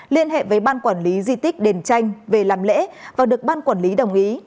liên hệ với ban quản lý di tích đền tranh về làm lễ và được ban quản lý đồng ý